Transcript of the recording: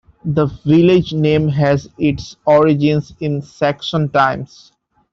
The village name has its origins in Saxon times.